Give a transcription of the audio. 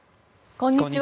こんにちは。